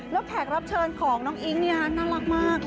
แล้วแขกรับเชิญของน้องอิ๊งน่ารักมาก